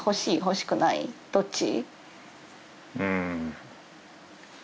うん。